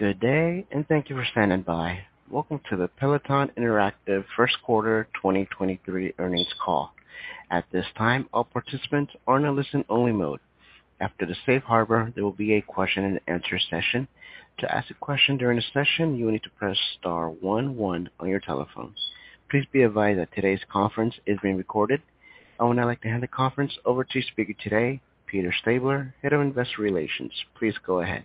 Good day, and thank you for standing by. Welcome to the Peloton Interactive first quarter 2023 earnings call. At this time, all participants are in a listen only mode. After the safe harbor, there will be a question-and-answer session. To ask a question during the session, you will need to press star one one on your telephones. Please be advised that today's conference is being recorded. I would now like to hand the conference over to speaker today, Peter Stabler, Head of Investor Relations. Please go ahead.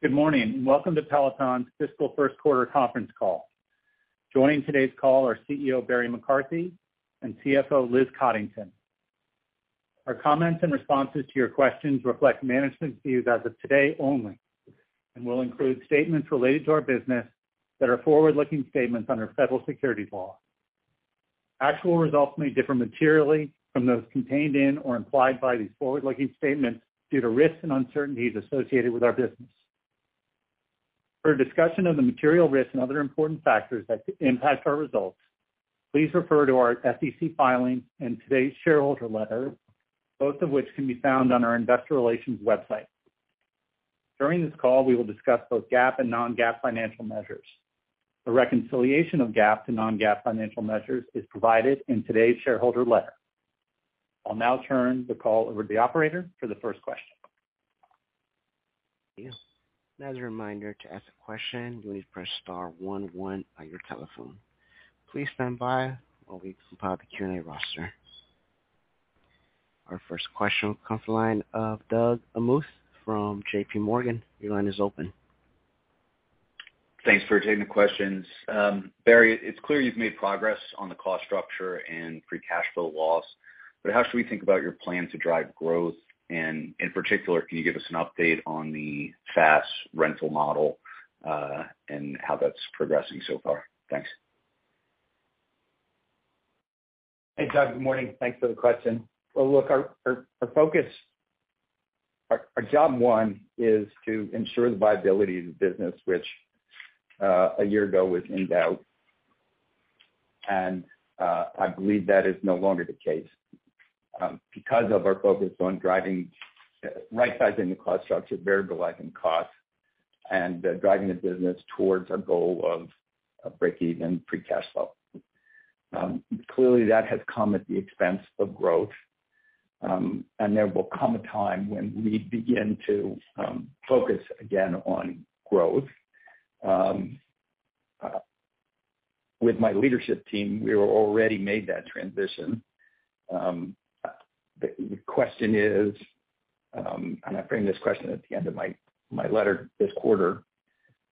Good morning, and welcome to Peloton's fiscal first quarter conference call. Joining today's call are CEO, Barry McCarthy, and CFO, Liz Coddington. Our comments and responses to your questions reflect management views as of today only and will include statements related to our business that are forward-looking statements under federal securities law. Actual results may differ materially from those contained in or implied by these forward-looking statements due to risks and uncertainties associated with our business. For a discussion of the material risks and other important factors that could impact our results, please refer to our SEC filing and today's shareholder letter, both of which can be found on our investor relations website. During this call, we will discuss both GAAP and non-GAAP financial measures. The reconciliation of GAAP to non-GAAP financial measures is provided in today's shareholder letter. I'll now turn the call over to the operator for the first question. Thank you. As a reminder, to ask a question, you will need to press star one one on your telephone. Please stand by while we compile the Q&A roster. Our first question comes from the line of Doug Anmuth from JPMorgan. Your line is open. Thanks for taking the questions. Barry, it's clear you've made progress on the cost structure and free cash flow loss, but how should we think about your plan to drive growth? In particular, can you give us an update on the FaaS rental model, and how that's progressing so far? Thanks. Hey, Doug, good morning. Thanks for the question. Well, look, our focus, our job one is to ensure the viability of the business, which a year ago was in doubt. I believe that is no longer the case because of our focus on driving right-sizing the cost structure, variablizing costs, and driving the business towards our goal of a break-even free cash flow. Clearly that has come at the expense of growth. There will come a time when we begin to focus again on growth. With my leadership team, we were already made that transition. The question is, and I framed this question at the end of my letter this quarter.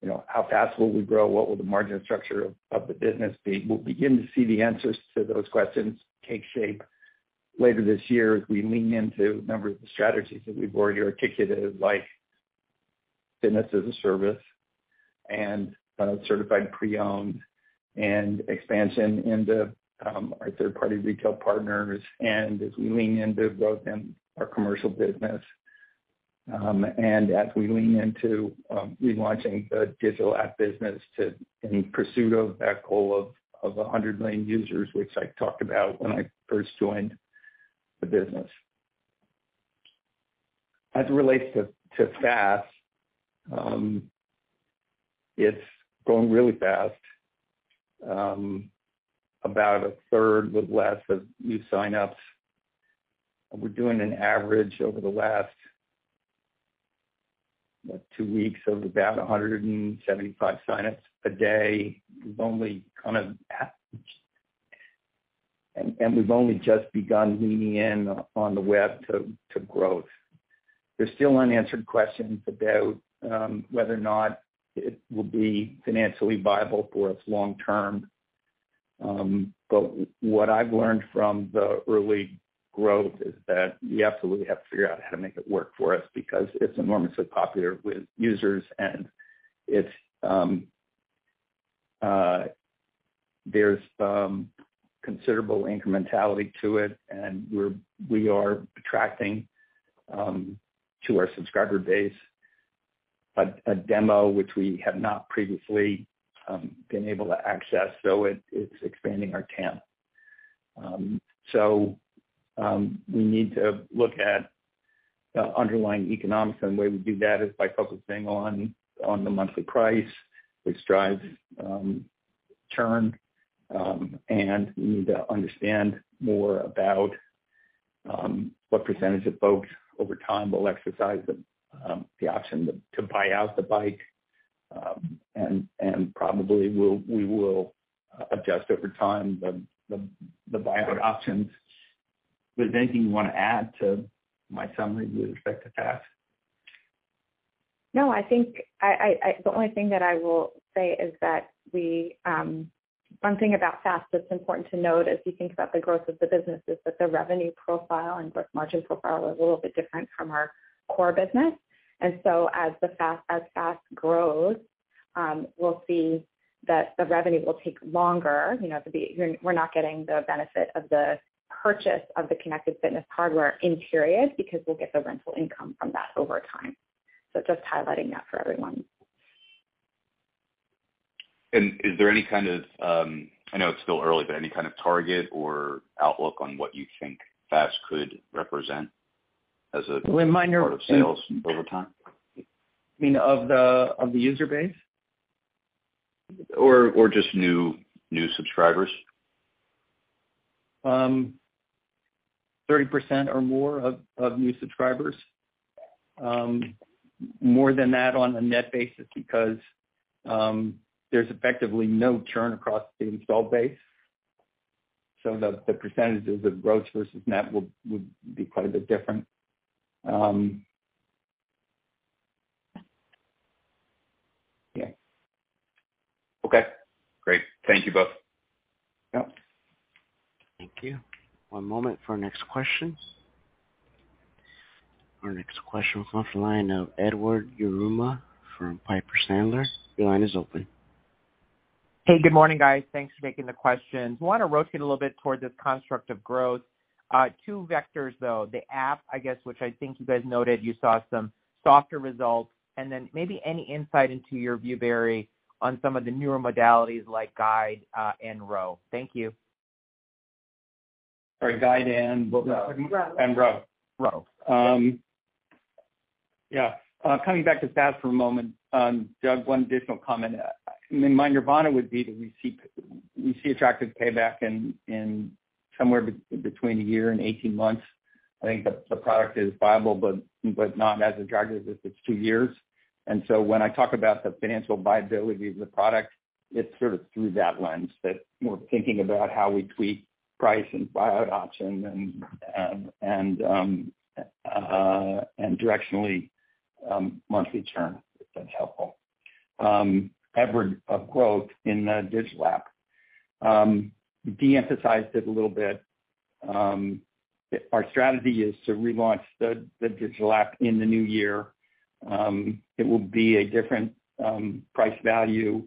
You know, how fast will we grow? What will the margin structure of the business be? We'll begin to see the answers to those questions take shape later this year as we lean into a number of the strategies that we've already articulated, like Fitness as a Service and certified pre-owned and expansion into our third-party retail partners. As we lean into growth in our commercial business and as we lean into relaunching the digital app business in pursuit of that goal of 100 million users, which I talked about when I first joined the business. As it relates to FaaS, it's growing really fast, about a third with lots of new signups. We're doing an average over the last two weeks of about 175 signups a day. We've only just begun leaning in on the web to growth. There's still unanswered questions about whether or not it will be financially viable for us long term. What I've learned from the early growth is that we absolutely have to figure out how to make it work for us because it's enormously popular with users. There's considerable incrementality to it, and we are attracting to our subscriber base a demo which we have not previously been able to access. It's expanding our TAM. We need to look at the underlying economics, and the way we do that is by focusing on the monthly price, which drives churn. We need to understand more about what percentage of folks over time will exercise the option to buy out the bike. Probably we will adjust over time the buyout options. Liz, anything you wanna add to my summary with respect to FaaS? No, I think the only thing that I will say is that one thing about FaaS that's important to note as you think about the growth of the business is that the revenue profile and gross margin profile are a little bit different from our core business. As FaaS grows, we'll see that the revenue will take longer, you know, to be. We're not getting the benefit of the purchase of the connected fitness hardware in period because we'll get the rental income from that over time. Just highlighting that for everyone. Is there any kind of, I know it's still early, but any kind of target or outlook on what you think FaaS could represent as a. Well, in my nerve. Part of sales over time? You mean of the user base? New subscribers. 30% or more of new subscribers, more than that on a net basis because there's effectively no churn across the installed base. The percentages of gross versus net would be quite a bit different. Yeah. Okay, great. Thank you both. Yep. Thank you. One moment for our next question. Our next question comes off the line of Edward Yruma from Piper Sandler. Your line is open. Hey, good morning, guys. Thanks for taking the questions. I wanna rotate a little bit towards this construct of growth. Two vectors, though, the app, I guess, which I think you guys noted you saw some softer results, and then maybe any insight into your view, Barry, on some of the newer modalities like Guide, and Row. Thank you. Sorry, Guide and what was the second? Row. Row. Coming back to FaaS for a moment, Doug, one additional comment. I mean, my nirvana would be that we see attractive payback in somewhere between a year and 18 months. I think the product is viable, but not as attractive if it's 2 years. When I talk about the financial viability of the product, it's sort of through that lens that we're thinking about how we tweak price and buyout options and directionally monthly churn, if that's helpful. Edward, growth in the digital app. De-emphasized it a little bit. Our strategy is to relaunch the digital app in the new year. It will be a different price value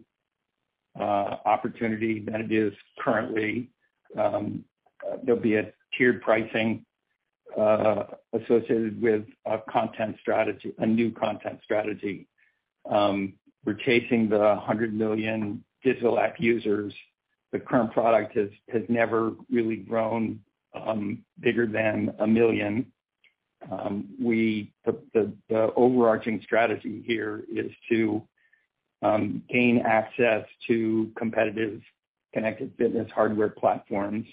opportunity than it is currently. There'll be a tiered pricing associated with a content strategy, a new content strategy. We're chasing 100 million digital app users. The current product has never really grown bigger than 1 million. The overarching strategy here is to gain access to competitive connected fitness hardware platforms.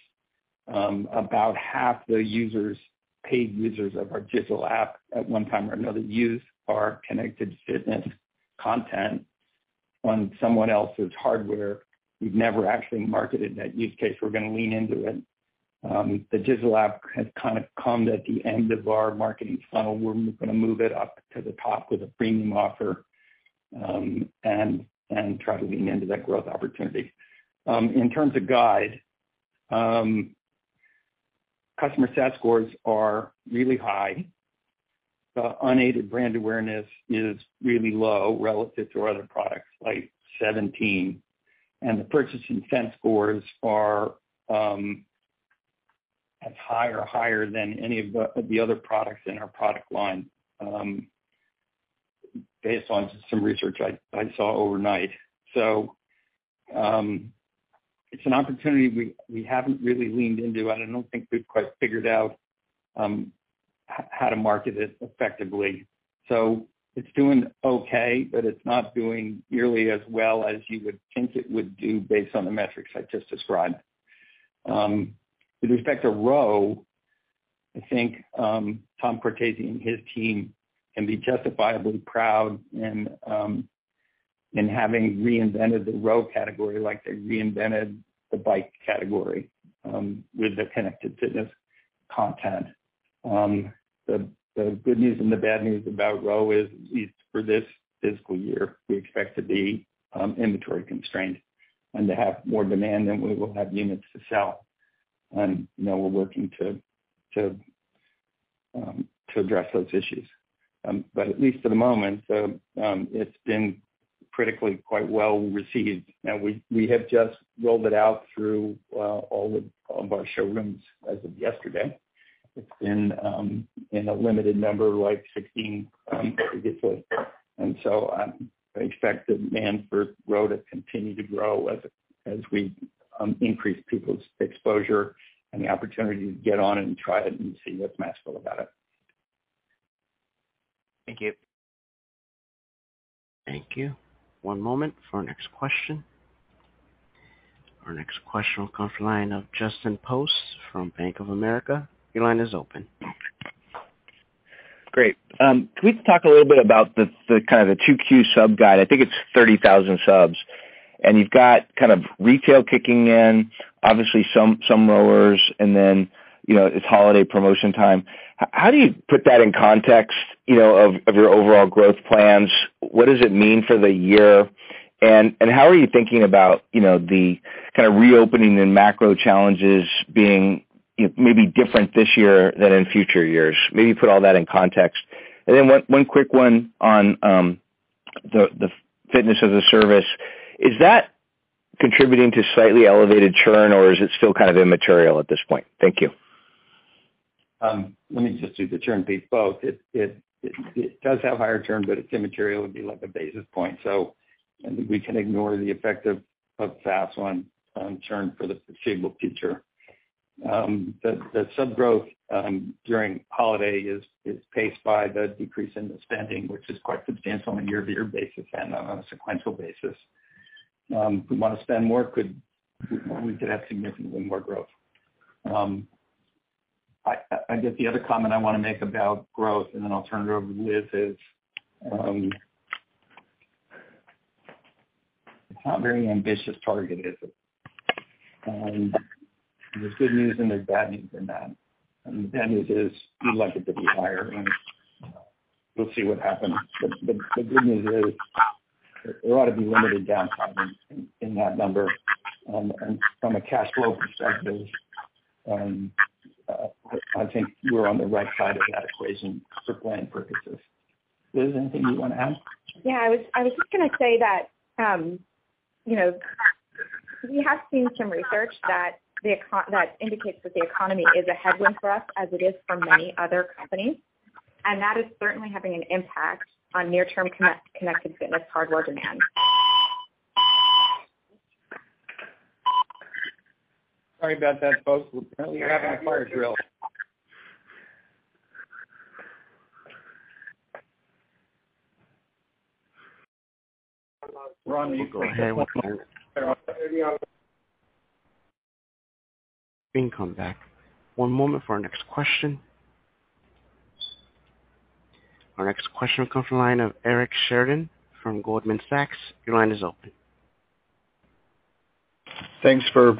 About half the users, paid users of our digital app at one time or another use our connected fitness content on someone else's hardware. We've never actually marketed that use case. We're gonna lean into it. The digital app has kind of come at the end of our marketing funnel. We're gonna move it up to the top with a premium offer and try to lean into that growth opportunity. In terms of Guide, customer sat scores are really high. The unaided brand awareness is really low relative to our other products like the bike, and the purchase intent scores are as high or higher than any of the other products in our product line based on some research I saw overnight. It's an opportunity we haven't really leaned into, and I don't think we've quite figured out how to market it effectively. It's doing okay, but it's not doing nearly as well as you would think it would do based on the metrics I just described. With respect to Row, I think Tom Cortese and his team can be justifiably proud in having reinvented the Row category like they reinvented the bike category with the connected fitness content. The good news and the bad news about Row is, at least for this fiscal year, we expect to be inventory constrained and to have more demand than we will have units to sell. You know, we're working to address those issues. At least for the moment, it's been incredibly well received. Now we have just rolled it out through all of our showrooms as of yesterday. It's been in a limited number, like 16, physically. I expect demand for Row to continue to grow as we increase people's exposure and the opportunity to get on it and try it and see what the customers feel about it. Thank you. Thank you. One moment for our next question. Our next question will come from the line of Justin Post from Bank of America. Your line is open. Great. Can we talk a little bit about the kind of the 2Q sub guide? I think it's 30,000 subs, and you've got kind of retail kicking in, obviously some Rowers, and then, you know, it's holiday promotion time. How do you put that in context, you know, of your overall growth plans? What does it mean for the year? How are you thinking about, you know, the kind of reopening and macro challenges being, you know, maybe different this year than in future years? Maybe you put all that in context. Then one quick one on the Fitness as a Service. Is that contributing to slightly elevated churn, or is it still kind of immaterial at this point? Thank you. Let me just do the churn piece both. It does have higher churn, but it's immaterial, it'd be like a basis point. So I think we can ignore the effect of FaaS on churn for the foreseeable future. The sub growth during holiday is paced by the decrease in the spending, which is quite substantial on a year-over-year basis and on a sequential basis. We wanna spend more. We could have significantly more growth. I guess the other comment I wanna make about growth, and then I'll turn it over to Liz, is it's not a very ambitious target, is it? There's good news and there's bad news in that. The bad news is we'd like it to be higher, and we'll see what happens. The good news is there ought to be limited downtime in that number. From a cash flow perspective, I think we're on the right side of that equation for planning purposes. Liz, anything you wanna add? Yeah, I was just gonna say that, you know, we have seen some research that indicates that the economy is a headwind for us, as it is for many other companies. That is certainly having an impact on near-term connected fitness hardware demand. Sorry about that, folks. Apparently, we're having a fire drill. Ron, you go ahead. We can come back. One moment for our next question. Our next question will come from the line of Eric Sheridan from Goldman Sachs. Your line is open. Thanks for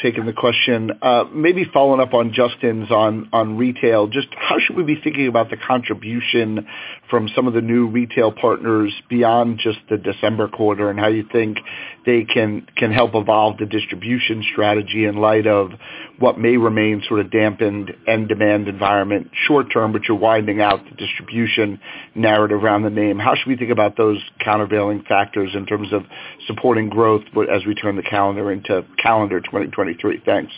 taking the question. Maybe following up on Justin's on retail, just how should we be thinking about the contribution from some of the new retail partners beyond just the December quarter, and how you think they can help evolve the distribution strategy in light of what may remain sort of dampened end demand environment short term, but you're building out the distribution narrative around the name. How should we think about those countervailing factors in terms of supporting growth but as we turn the calendar into calendar 2023? Thanks.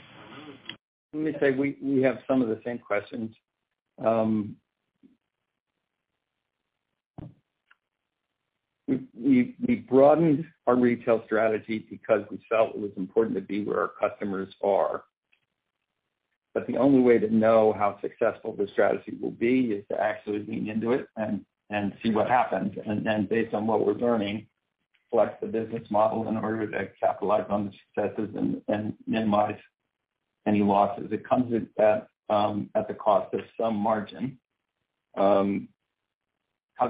Let me say we have some of the same questions. We broadened our retail strategy because we felt it was important to be where our customers are. But the only way to know how successful the strategy will be is to actually lean into it and see what happens. Then based on what we're learning, flex the business model in order to capitalize on the successes and minimize any losses. It comes at the cost of some margin. How's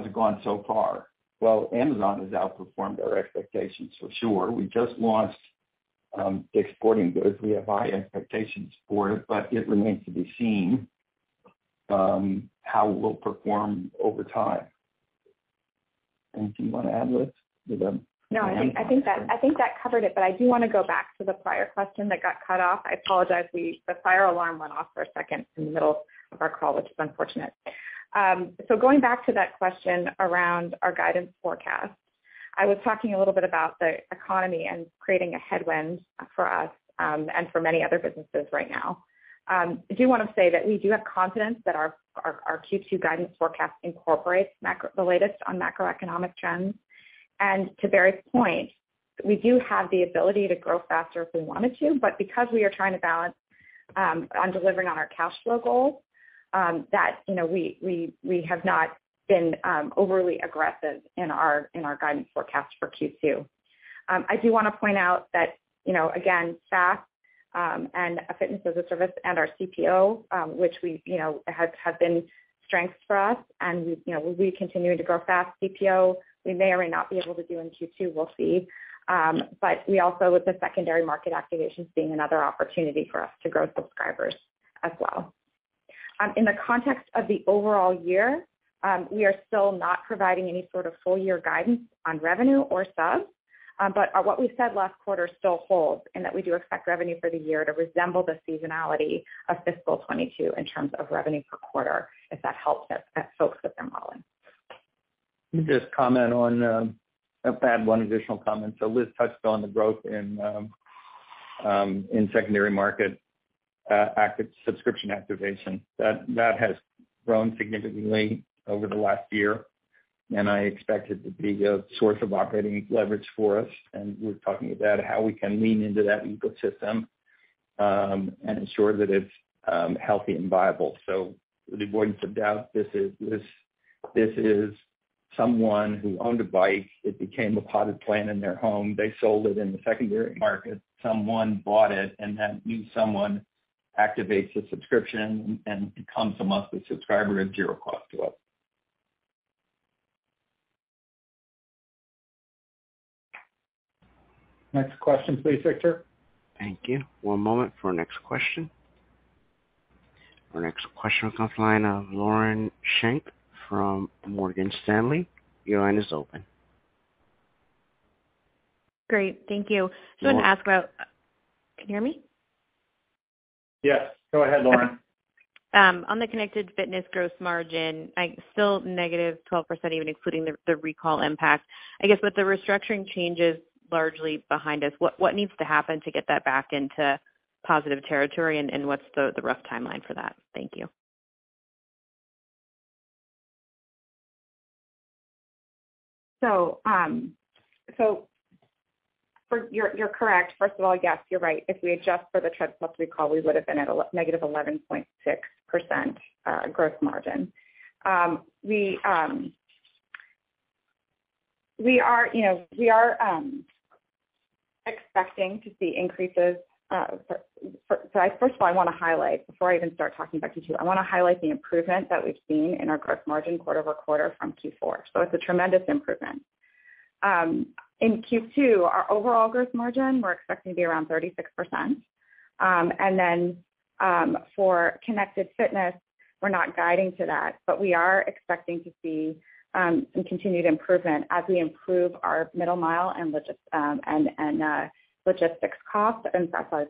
it gone so far? Well, Amazon has outperformed our expectations for sure. We just launched DICK'S Sporting Goods. We have high expectations for it, but it remains to be seen how we'll perform over time. Anything you wanna add, Liz? No, I think that covered it, but I do wanna go back to the prior question that got cut off. I apologize, the fire alarm went off for a second in the middle of our call, which is unfortunate. Going back to that question around our guidance forecast. I was talking a little bit about the economy and creating a headwind for us, and for many other businesses right now. I do wanna say that we do have confidence that our Q2 guidance forecast incorporates the latest on macroeconomic trends. To Barry's point, we do have the ability to grow faster if we wanted to, but because we are trying to balance on delivering on our cash flow goals, that, you know, we have not been overly aggressive in our guidance forecast for Q2. I do wanna point out that, you know, again, FaaS and a Fitness as a Service and our CPO, which we've, you know, has been strengths for us and we, you know, will be continuing to grow fast CPO, we may or may not be able to do in Q2, we'll see. But we also with the secondary market activations being another opportunity for us to grow subscribers as well. In the context of the overall year, we are still not providing any sort of full year guidance on revenue or subs. What we said last quarter still holds, in that we do expect revenue for the year to resemble the seasonality of fiscal 2022 in terms of revenue per quarter, if that helps folks with their modeling. Let me just add one additional comment. Liz touched on the growth in secondary market active subscription activation. That has grown significantly over the last year, and I expect it to be a source of operating leverage for us. We're talking about how we can lean into that ecosystem and ensure that it's healthy and viable. For the avoidance of doubt, this is someone who owned a bike, it became a potted plant in their home. They sold it in the secondary market. Someone bought it, and that new someone activates a subscription and becomes a monthly subscriber at zero cost to us. Next question, please, Victor. Thank you. One moment for our next question. Our next question comes from the line of Lauren Schenk from Morgan Stanley. Your line is open. Great. Thank you. Can you hear me? Yes. Go ahead, Lauren. On the connected fitness gross margin, like still -12% even including the recall impact. I guess with the restructuring changes largely behind us, what needs to happen to get that back into positive territory and what's the rough timeline for that? Thank you. You're correct. First of all, yes, you're right. If we adjust for the Tread+ recall, we would have been at -11.6% gross margin. We are, you know, expecting to see increases. First of all, I wanna highlight before I even start talking about Q2, I wanna highlight the improvement that we've seen in our gross margin quarter-over-quarter from Q4. It's a tremendous improvement. In Q2, our overall gross margin, we're expecting to be around 36%. For connected fitness, we're not guiding to that, but we are expecting to see some continued improvement as we improve our middle mile and logistics costs, and sorry,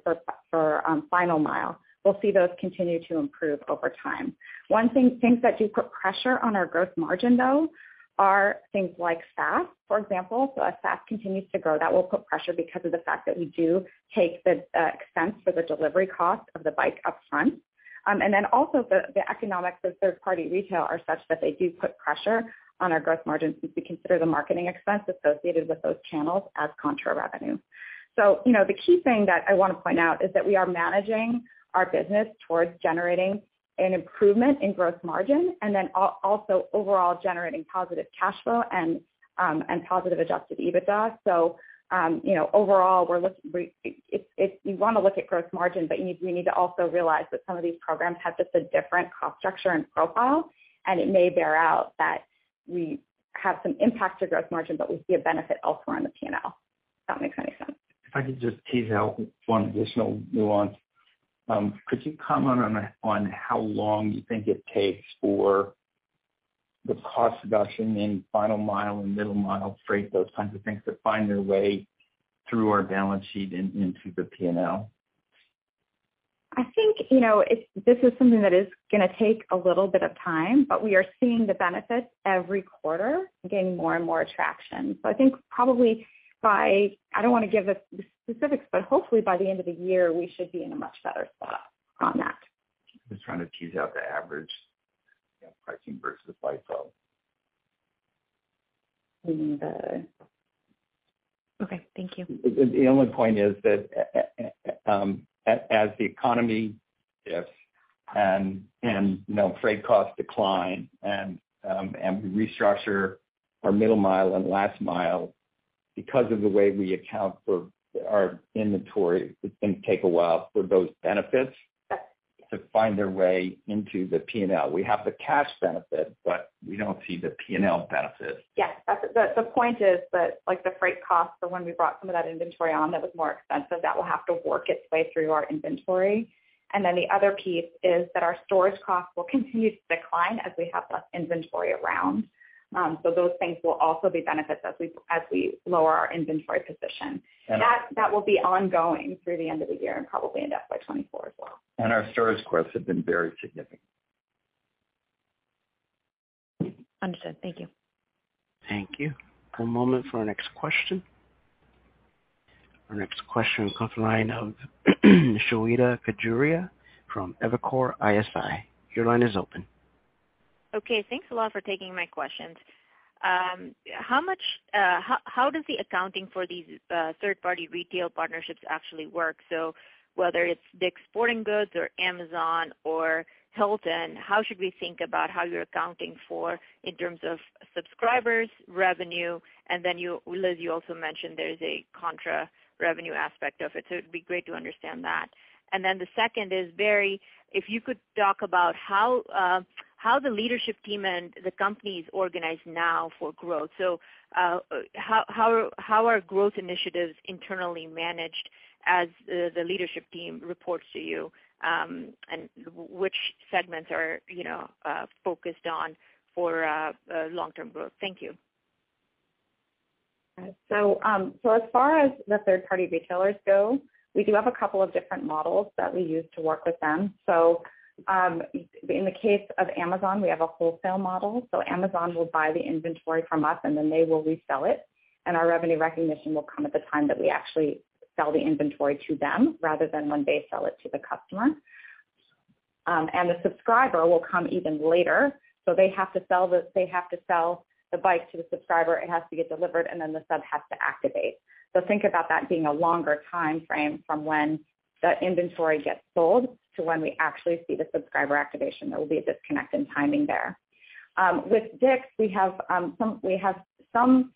for final mile. We'll see those continue to improve over time. One thing, things that do put pressure on our gross margin, though, are things like FaaS, for example. As FaaS continues to grow, that will put pressure because of the fact that we do take the expense for the delivery cost of the bike upfront. And then also the economics of third-party retail are such that they do put pressure on our gross margins since we consider the marketing expense associated with those channels as contra revenue. You know, the key thing that I wanna point out is that we are managing our business towards generating an improvement in gross margin and then also overall generating positive cash flow and positive adjusted EBITDA. You know, overall, you wanna look at gross margin, but you need to also realize that some of these programs have just a different cost structure and profile, and it may bear out that we have some impact to gross margin, but we see a benefit elsewhere in the P&L, if that makes any sense. If I could just tease out one additional nuance. Could you comment on how long you think it takes for the cost reduction in final mile and middle mile freight, those kinds of things, to find their way through our balance sheet and into the P&L? I think, you know, this is something that is gonna take a little bit of time, but we are seeing the benefits every quarter and gaining more and more traction. I think probably by, I don't wanna give the specifics, but hopefully by the end of the year, we should be in a much better spot on that. Just trying to tease out the average, you know, pricing versus bike sales. In the. Okay. Thank you. The only point is that, as the economy shifts and, you know, freight costs decline and we restructure our middle mile and last mile because of the way we account for our inventory, it's gonna take a while for those benefits. Yes. To find their way into the P&L. We have the cash benefit, but we don't see the P&L benefit. Yes. That's it. The point is that like the freight costs for when we brought some of that inventory on that was more expensive, that will have to work its way through our inventory. The other piece is that our storage costs will continue to decline as we have less inventory around. Those things will also be benefits as we lower our inventory position. And our. That will be ongoing through the end of the year and probably into FY 2024 as well. Our storage costs have been very significant. Understood. Thank you. Thank you. One moment for our next question. Our next question comes from the line of Shweta Khajuria from Evercore ISI. Your line is open. Okay. Thanks a lot for taking my questions. How does the accounting for these third-party retail partnerships actually work? Whether it's DICK'S Sporting Goods or Amazon or Hilton, how should we think about how you're accounting for in terms of subscribers, revenue, and then you, Liz, you also mentioned there's a contra revenue aspect of it, so it'd be great to understand that. The second is, Barry, if you could talk about how the leadership team and the company is organized now for growth. How are growth initiatives internally managed as the leadership team reports to you, and which segments are, you know, focused on for long-term growth? Thank you. As far as the third-party retailers go, we do have a couple of different models that we use to work with them. In the case of Amazon, we have a wholesale model. Amazon will buy the inventory from us, and then they will resell it, and our revenue recognition will come at the time that we actually sell the inventory to them rather than when they sell it to the customer. The subscriber will come even later, so they have to sell the bike to the subscriber, it has to get delivered, and then the sub has to activate. Think about that being a longer timeframe from when the inventory gets sold to when we actually see the subscriber activation. There will be a disconnect in timing there. With DICK'S we have some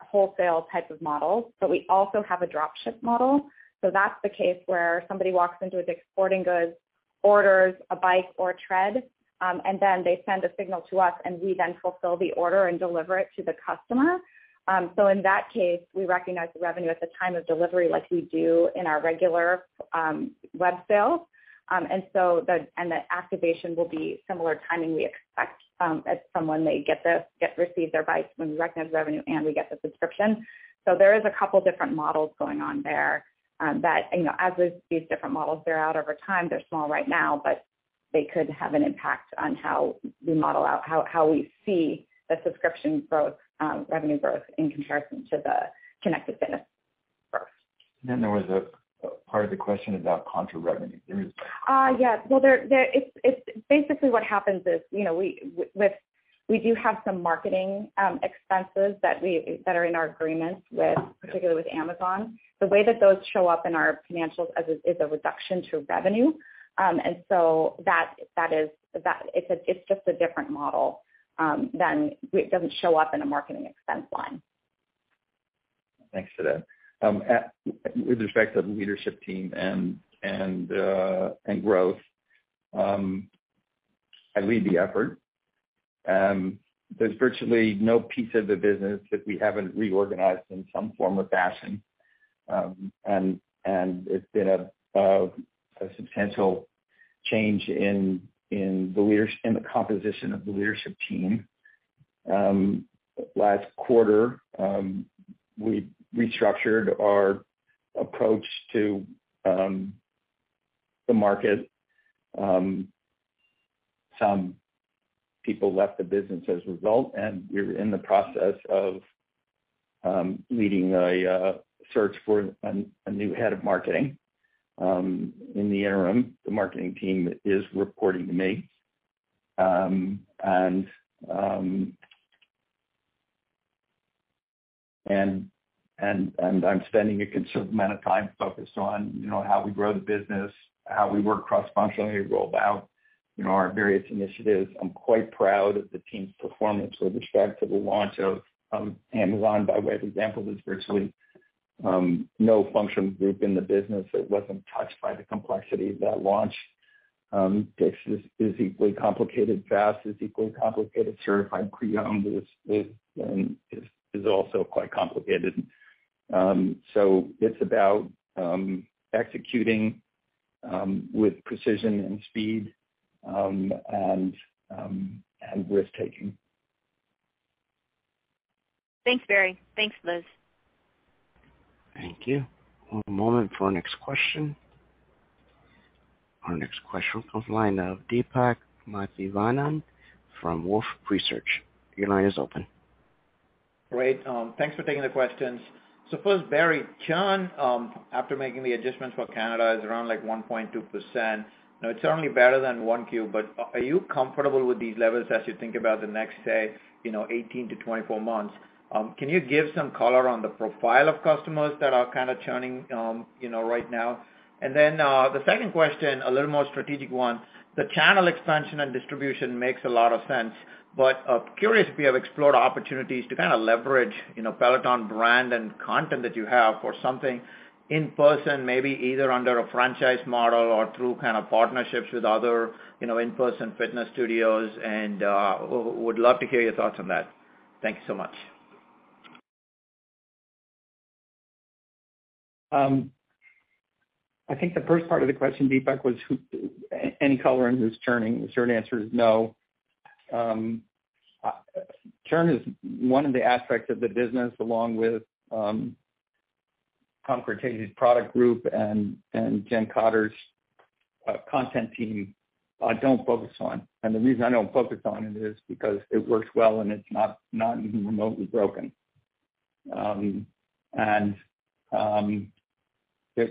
wholesale type of models, but we also have a drop ship model. That's the case where somebody walks into a DICK'S Sporting Goods, orders a bike or a tread, and then they send a signal to us, and we then fulfill the order and deliver it to the customer. In that case, we recognize the revenue at the time of delivery like we do in our regular web sales. The activation will be similar timing, we expect, as someone may receive their bike when we recognize revenue and we get the subscription. There is a couple different models going on there, that, you know, as these different models bear out over time, they're small right now, but they could have an impact on how we see the subscription growth, revenue growth in comparison to the connected fitness. There was a part of the question about contra revenue. Yes. Well, it's basically what happens is, you know, we do have some marketing expenses that are in our agreements with, particularly with Amazon. The way that those show up in our financials is a reduction to revenue. That is just a different model than it doesn't show up in a marketing expense line. Thanks for that. With respect to the leadership team and growth, I lead the effort. There's virtually no piece of the business that we haven't reorganized in some form or fashion. It's been a substantial change in the composition of the leadership team. Last quarter, we restructured our approach to the market. Some people left the business as a result, and we're in the process of leading a search for a new head of marketing. In the interim, the marketing team is reporting to me. I'm spending a considerable amount of time focused on, you know, how we grow the business, how we work cross-functionally to roll out, you know, our various initiatives. I'm quite proud of the team's performance with respect to the launch of Amazon, by way of example. There's virtually no function group in the business that wasn't touched by the complexity of that launch. DICK'S is equally complicated. FaaS is equally complicated. Certified Pre-Owned is also quite complicated. It's about executing with precision and speed and risk-taking. Thanks, Barry. Thanks, Liz. Thank you. One moment for our next question. Our next question comes from the line of Deepak Mathivanan from Wolfe Research. Your line is open. Great. Thanks for taking the questions. First, Barry, churn after making the adjustments for Canada is around like 1.2%. Now it's certainly better than 1Q, but are you comfortable with these levels as you think about the next, say, you know, 18-24 months? Can you give some color on the profile of customers that are kind of churning, you know, right now? The second question, a little more strategic one. The channel expansion and distribution makes a lot of sense, but curious if you have explored opportunities to kind of leverage, you know, Peloton brand and content that you have for something in person, maybe either under a franchise model or through kind of partnerships with other, you know, in-person fitness studios. Would love to hear your thoughts on that. Thank you so much. I think the first part of the question, Deepak, was who, any color on who's churning? The short answer is no. Churn is one of the aspects of the business along with Tom Cortese's product group and Jen Cotter's content team I don't focus on. The reason I don't focus on it is because it works well, and it's not even remotely broken.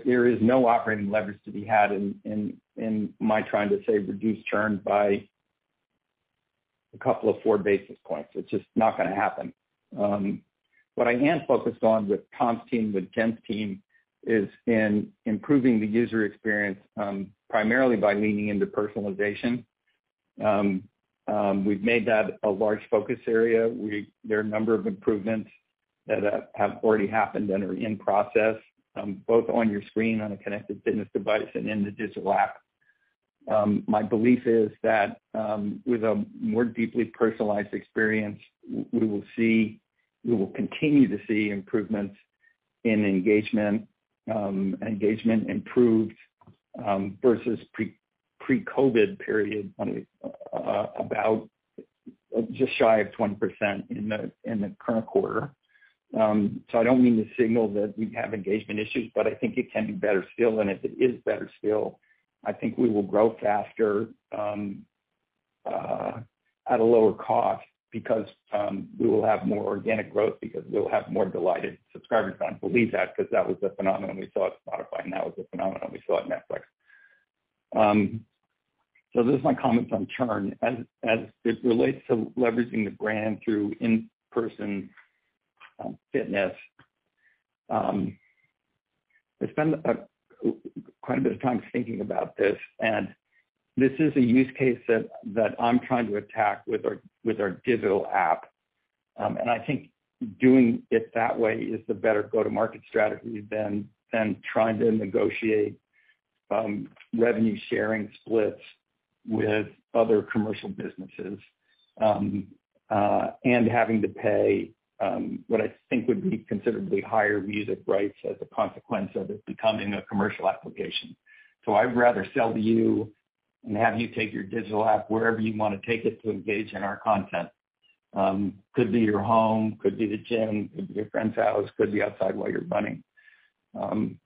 There is no operating leverage to be had in my trying to say reduce churn by a couple or four basis points. It's just not gonna happen. What I am focused on with Tom's team, with Jen's team, is on improving the user experience primarily by leaning into personalization. We've made that a large focus area. There are a number of improvements that have already happened and are in process, both on your screen on a connected fitness device and in the digital app. My belief is that with a more deeply personalized experience, we will continue to see improvements in engagement. Engagement improved versus pre-COVID period about just shy of 20% in the current quarter. I don't mean to signal that we have engagement issues, but I think it can be better still, and if it is better still, I think we will grow faster at a lower cost because we will have more organic growth because we'll have more delighted subscribers. I believe that because that was the phenomenon we saw at Spotify, and that was the phenomenon we saw at Netflix. Those are my comments on churn. As it relates to leveraging the brand through in-person fitness, I spend quite a bit of time thinking about this, and this is a use case that I'm trying to attack with our digital app. I think doing it that way is the better go-to-market strategy than trying to negotiate revenue sharing splits with other commercial businesses and having to pay what I think would be considerably higher music rights as a consequence of it becoming a commercial application. I'd rather sell to you and have you take your digital app wherever you wanna take it to engage in our content. Could be your home, could be the gym, could be your friend's house, could be outside while you're running.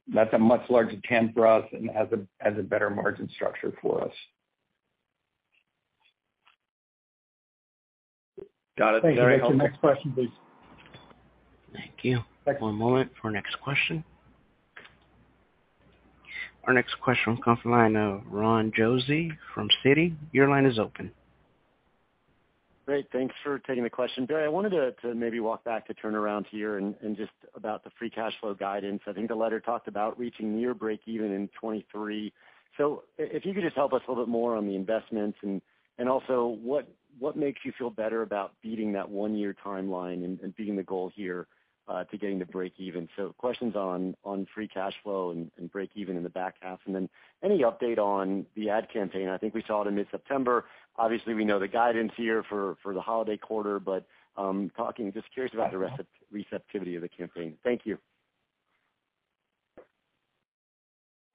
That's a much larger TAM for us and has a better margin structure for us. Got it. Thank you. Next question, please. Thank you. Thank you. One moment for next question. Our next question comes from the line of Ron Josey from Citi. Your line is open. Great. Thanks for taking the question. Barry, I wanted to maybe walk back to turnaround here and just about the free cash flow guidance. I think the letter talked about reaching near breakeven in 2023. If you could just help us a little bit more on the investments and also what makes you feel better about beating that one year timeline and beating the goal here to getting to breakeven. Questions on free cash flow and breakeven in the back half, and then any update on the ad campaign. I think we saw it in mid-September. Obviously, we know the guidance here for the holiday quarter, but talking just curious about the receptivity of the campaign. Thank you.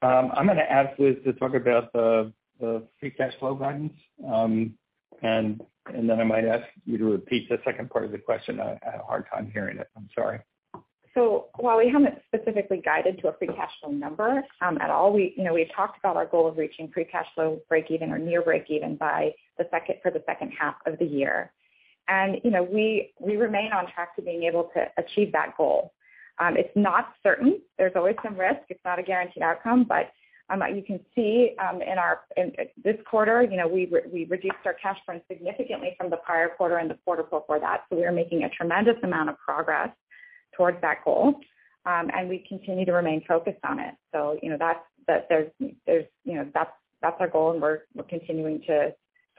I'm gonna ask Liz to talk about the free cash flow guidance. I might ask you to repeat the second part of the question. I had a hard time hearing it. I'm sorry. While we haven't specifically guided to a free cash flow number at all, you know, we talked about our goal of reaching free cash flow breakeven or near breakeven by the second half of the year. You know, we remain on track to being able to achieve that goal. It's not certain, there's always some risk. It's not a guaranteed outcome. You can see in this quarter, you know, we reduced our cash burn significantly from the prior quarter and the quarter before that. We are making a tremendous amount of progress towards that goal. We continue to remain focused on it. You know, that's our goal and we're continuing to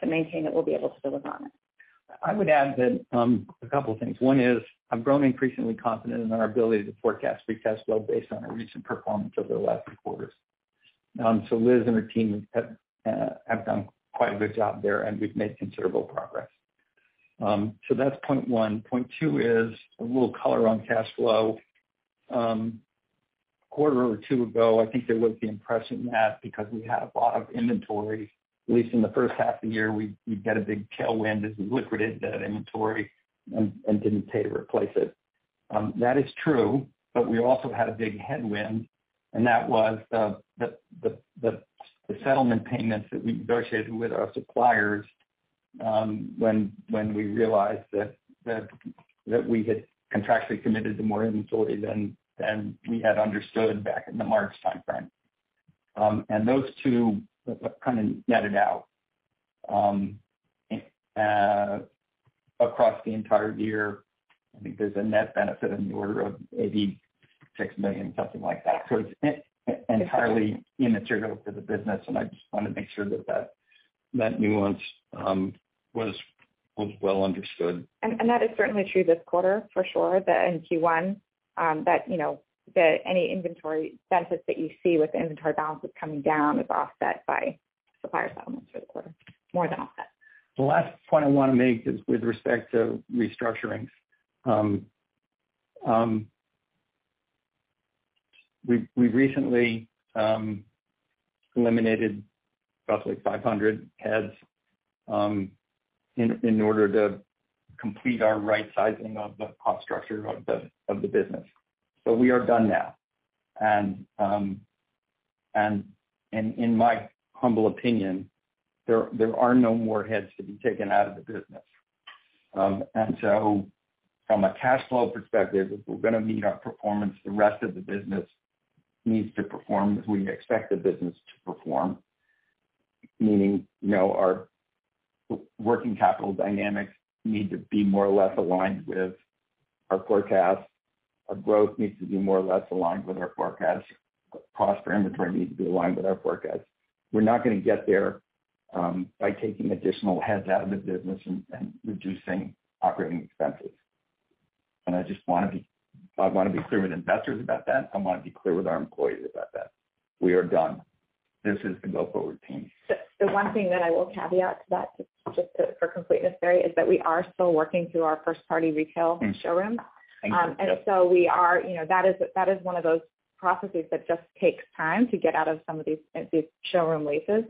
maintain that we'll be able to deliver on it. I would add that, a couple things. One is I'm growing increasingly confident in our ability to forecast free cash flow based on our recent performance over the last few quarters. Liz and her team have done quite a good job there, and we've made considerable progress. That's point one. Point two is a little color on cash flow. A quarter or two ago, I think there was the impression that because we had a lot of inventory, at least in the first half of the year, we've got a big tailwind as we liquidated that inventory and didn't pay to replace it. That is true, but we also had a big headwind, and that was the settlement payments that we negotiated with our suppliers, when we realized that we had contractually committed to more inventory than we had understood back in the March timeframe. Those two kind of netted out across the entire year. I think there's a net benefit in the order of $86 million, something like that. It's entirely immaterial to the business, and I just wanna make sure that nuance was well understood. That is certainly true this quarter for sure that in Q1, that, you know, any inventory benefit that you see with the inventory balances coming down is offset by supplier settlements for the quarter, more than offset. The last point I wanna make is with respect to restructurings. We recently eliminated roughly 500 heads in order to complete our right sizing of the cost structure of the business. We are done now. In my humble opinion, there are no more heads to be taken out of the business. From a cash flow perspective, if we're gonna meet our performance, the rest of the business needs to perform as we expect the business to perform. Meaning, you know, our working capital dynamics need to be more or less aligned with our forecast. Our growth needs to be more or less aligned with our forecast. Cost for inventory needs to be aligned with our forecast. We're not gonna get there by taking additional heads out of the business and reducing operating expenses. I just wanna be clear with investors about that. I wanna be clear with our employees about that. We are done. This is the go-forward team. The one thing that I will caveat to that, just to, for completeness, Barry, is that we are still working through our first-party retail showrooms. Thank you. We are, you know, that is one of those processes that just takes time to get out of some of these showroom leases.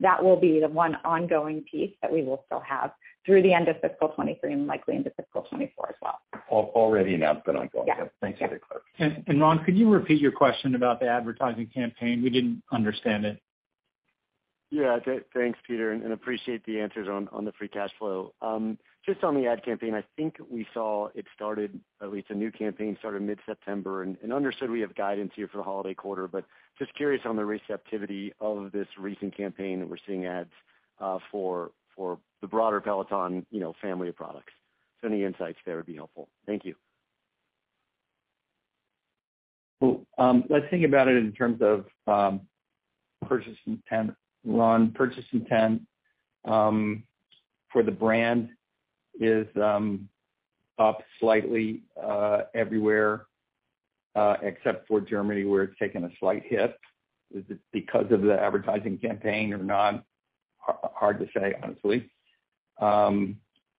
That will be the one ongoing piece that we will still have through the end of fiscal 2023 and likely into fiscal 2024 as well. Already announced but ongoing. Yeah. Thanks for the clarity. Ron, could you repeat your question about the advertising campaign? We didn't understand it. Yeah. Thanks, Peter, and appreciate the answers on the free cash flow. Just on the ad campaign, I think we saw it started, at least a new campaign started mid-September. Understood we have guidance here for the holiday quarter, but just curious on the receptivity of this recent campaign that we're seeing ads for the broader Peloton, you know, family of products. Any insights there would be helpful. Thank you. Well, let's think about it in terms of purchase intent, Ron. Purchase intent for the brand is up slightly everywhere except for Germany where it's taken a slight hit. Is it because of the advertising campaign or not, hard to say honestly.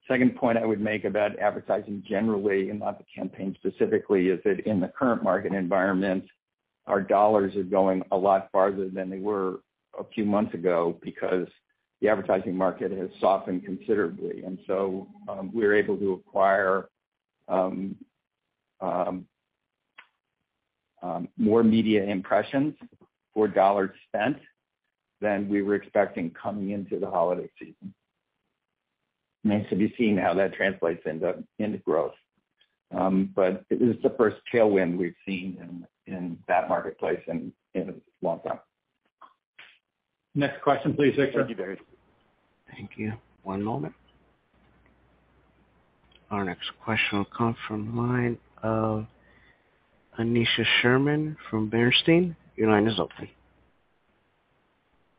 Second point I would make about advertising generally, and not the campaign specifically, is that in the current market environment, our dollars are going a lot farther than they were a few months ago because the advertising market has softened considerably. We were able to acquire more media impressions for dollars spent than we were expecting coming into the holiday season. Nice to be seeing how that translates into growth. It is the first tailwind we've seen in that marketplace in a long time. Next question, please, Victor. Thank you, Barry. Thank you. One moment. Our next question will come from the line of Aneesha Sherman from Bernstein. Your line is open.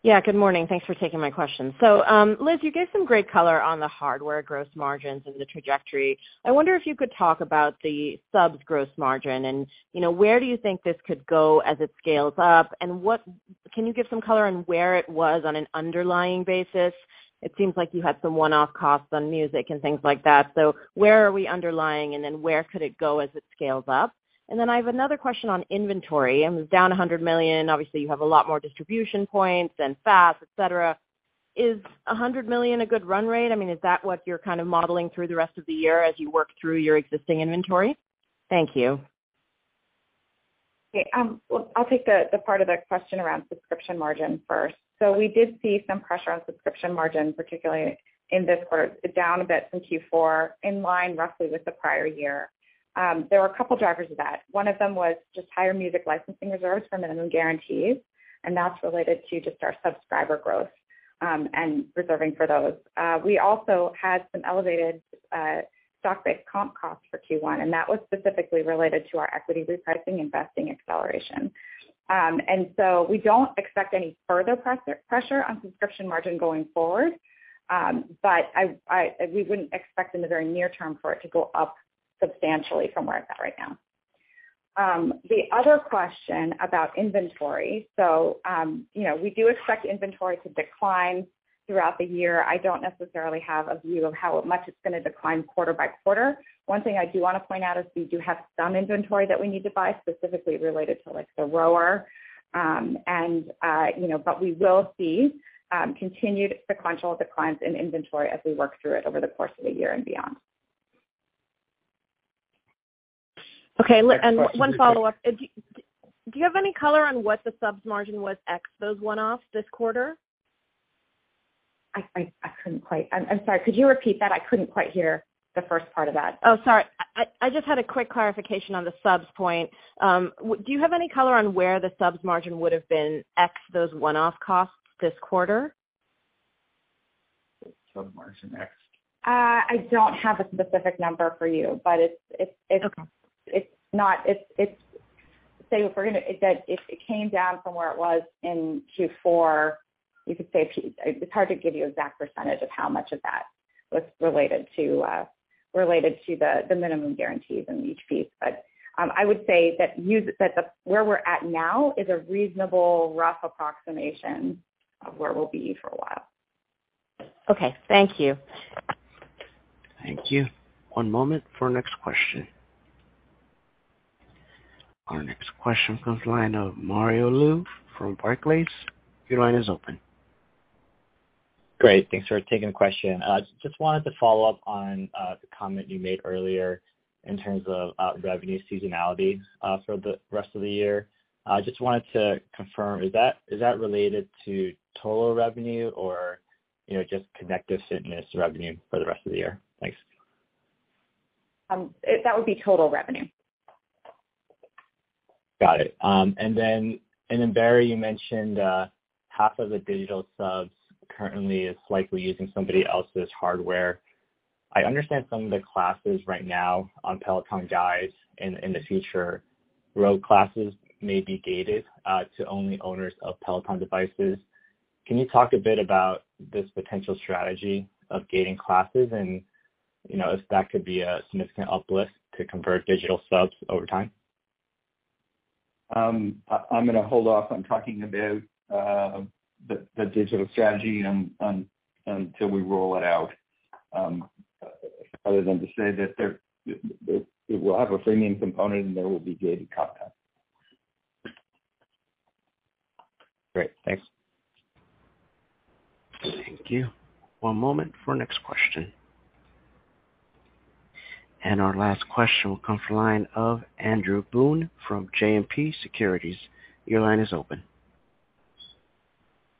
Yeah, good morning. Thanks for taking my question. Liz, you gave some great color on the hardware gross margins and the trajectory. I wonder if you could talk about the subs gross margin and, you know, where do you think this could go as it scales up? What can you give some color on where it was on an underlying basis? It seems like you had some one-off costs on music and things like that. Where are we underlying? Where could it go as it scales up? I have another question on inventory. It was down $100 million. Obviously, you have a lot more distribution points and FaaS, etc. Is $100 million a good run rate? I mean, is that what you're kind of modeling through the rest of the year as you work through your existing inventory? Thank you. Okay. Well, I'll take the part of that question around subscription margin first. We did see some pressure on subscription margin, particularly in this quarter. It's down a bit from Q4, in line roughly with the prior year. There were a couple of drivers of that. One of them was just higher music licensing reserves for minimum guarantees, and that's related to just our subscriber growth, and reserving for those. We also had some elevated stock-based comp costs for Q1, and that was specifically related to our equity repricing investing acceleration. We don't expect any further pressure on subscription margin going forward. We wouldn't expect in the very near term for it to go up substantially from where it's at right now. The other question about inventory, you know, we do expect inventory to decline throughout the year. I don't necessarily have a view of how much it's gonna decline quarter by quarter. One thing I do wanna point out is we do have some inventory that we need to buy, specifically related to, like, the Row. You know, we will see continued sequential declines in inventory as we work through it over the course of the year and beyond. Okay. Next question please, Victor. One follow-up. Do you have any color on what the subs margin was ex those one-offs this quarter? I'm sorry. Could you repeat that? I couldn't quite hear the first part of that. Oh, sorry. I just had a quick clarification on the subs point. Do you have any color on where the subs margin would have been ex those one-off costs this quarter? The sub margin ex. I don't have a specific number for you, but it's. Okay. It's that it came down from where it was in Q4. You could say a few. It's hard to give you exact percentage of how much of that was related to the minimum guarantees and each piece. I would say that where we're at now is a reasonable, rough approximation of where we'll be for a while. Okay. Thank you. Thank you. One moment for our next question. Our next question comes from the line of Mario Lu from Barclays. Your line is open. Great. Thanks for taking the question. Just wanted to follow up on the comment you made earlier in terms of revenue seasonality for the rest of the year. I just wanted to confirm, is that related to total revenue or, you know, just connected fitness revenue for the rest of the year? Thanks. That would be total revenue. Got it. Barry, you mentioned half of the digital subs currently is likely using somebody else's hardware. I understand some of the classes right now on Peloton Guide in the future, row classes may be gated to only owners of Peloton devices. Can you talk a bit about this potential strategy of gating classes and, you know, if that could be a significant uplift to convert digital subs over time? I'm gonna hold off on talking about the digital strategy until we roll it out, other than to say that it will have a framing component, and there will be gated content. Great. Thanks. Thank you. One moment for our next question. Our last question will come from the line of Andrew Boone from JMP Securities. Your line is open.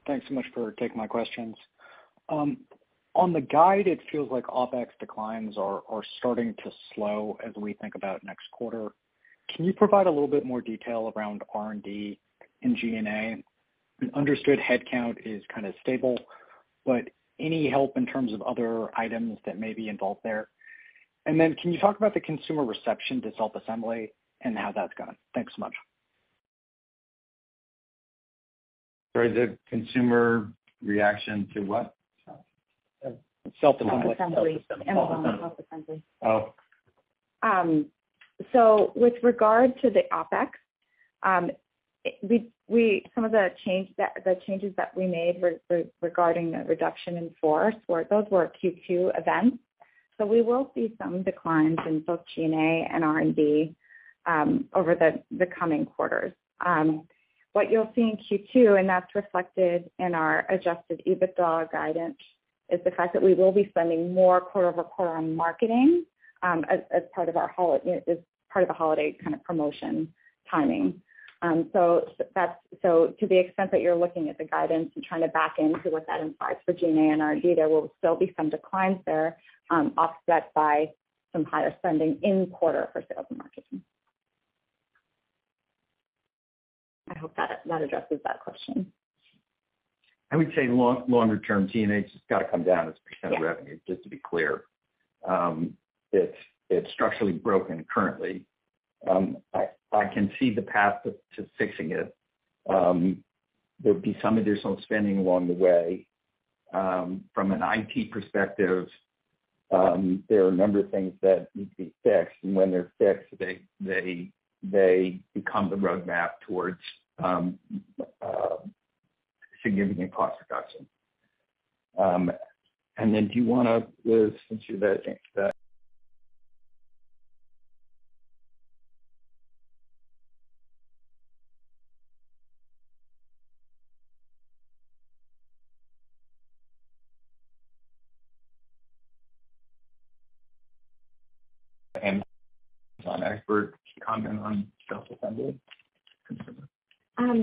Thanks so much for taking my questions. On the guide, it feels like OpEx declines are starting to slow as we think about next quarter. Can you provide a little bit more detail around R&D and G&A? Understood headcount is kind of stable, but any help in terms of other items that may be involved there? Can you talk about the consumer reception to self-assembly and how that's going? Thanks so much. Sorry, the consumer reaction to what? Self-assembly. Self-assembly. Oh. With regard to the OpEx, the changes that we made regarding the reduction in force, those were Q2 events. We will see some declines in both G&A and R&D over the coming quarters. What you'll see in Q2, and that's reflected in our adjusted EBITDA guidance, is the fact that we will be spending more quarter-over-quarter on marketing, as part of the holiday kind of promotion timing. To the extent that you're looking at the guidance and trying to back into what that implies for G&A and R&D, there will still be some declines there, offset by some higher spending in quarter for sales and marketing. I hope that addresses that question. I would say longer term, G&A just gotta come down as a % of revenue, just to be clear. It's structurally broken currently. I can see the path to fixing it. There'd be some additional spending along the way. From an IT perspective, there are a number of things that need to be fixed, and when they're fixed, they become the roadmap towards significant cost reduction. Then do you wanna, Liz, since you're there, jump to that? Expert comment on self-assembly? I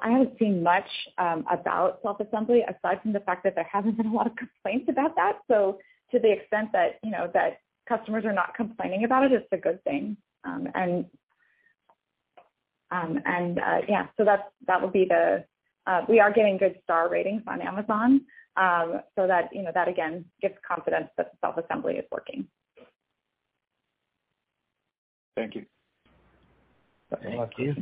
haven't seen much about self-assembly aside from the fact that there haven't been a lot of complaints about that. To the extent that, you know, that customers are not complaining about it's a good thing. We are getting good star ratings on Amazon. That, you know, that again gives confidence that the self-assembly is working. Thank you. Okay. Thank you.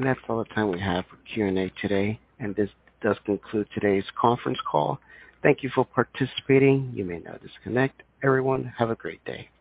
That's all the time we have for Q&A today. This does conclude today's conference call. Thank you for participating. You may now disconnect. Everyone, have a great day.